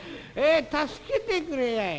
助けてくれやい。